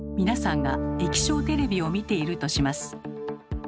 皆さんが液晶テレビを見ているとします。